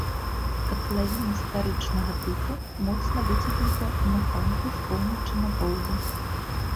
Катлавіна старычнага тыпу, моцна выцягнутая ў напрамку з поўначы на поўдзень.